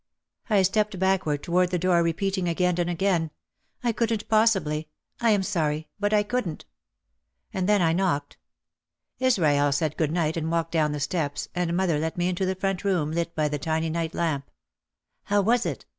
I stepped backward toward the door repeating again and again, "I couldn't possibly. I am sorry but I couldn't," and then I knocked. Israel said good night and walked down the steps, and mother let me into the front room lit by the tiny night lamp. "How was it?"